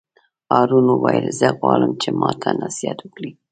هارون وویل: زه غواړم چې ماته نصیحت وکړې.